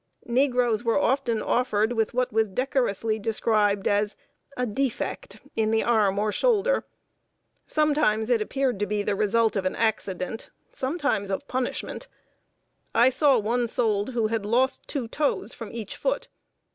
Negroes were often offered with what was decorously described as a "defect" in the arm, or shoulder. Sometimes it appeared to be the result of accident, sometimes of punishment. I saw one sold who had lost two toes from each foot.